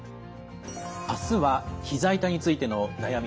あすはひざ痛についての悩み